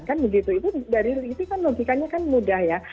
kan begitu itu logikanya kan mudah ya